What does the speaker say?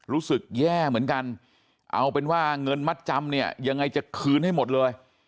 รู้สึกแย่เหมือนกันเอาเป็นว่าเงินมัดจำเนี่ยยังไงจะคืนให้หมดเลย